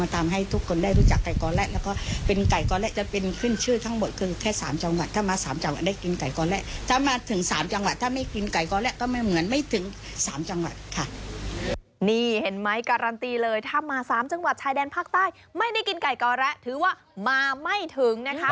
ถ้ามา๓จังหวัดชายแดนภาคใต้ไม่ได้กินไก่ก่อแหละถือว่ามาไม่ถึงนะคะ